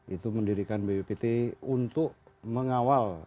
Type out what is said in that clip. itu mendirikan bppt untuk mengawal